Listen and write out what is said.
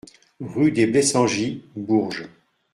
Rue des Blessangis, Bourges